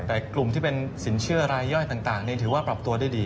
แต่กลุ่มที่เป็นสินเชื่อรายย่อยต่างนี่ถือว่าปรับตัวได้ดี